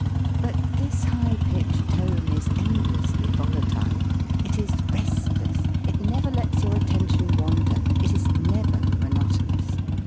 But this high pitched tone is endlessly volatile. It is restless. It never lets your attention wander. It is never monotonous.